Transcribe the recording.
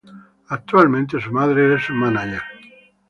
Actualmente su madre es su mánager.